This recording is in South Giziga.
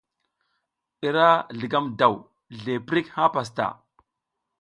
I ra zligam daw zle prik ha pastaʼa.